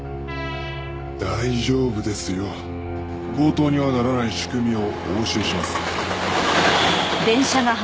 「大丈夫ですよ」「強盗にはならない仕組みをお教えします」